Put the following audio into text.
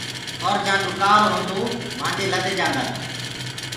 اور جھآنٚ ڏُڪار هونٚدو وهانٚدي لد جآندآ تآ۔